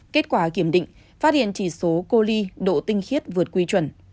kết quả kiểm định phát hiện chỉ số coli độ tinh khiết vượt quy chuẩn